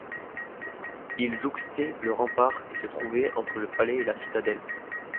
Il jouxtait le rempart et se trouvait entre le Palais et la citadelle.